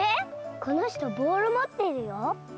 この人ボールもってるよ？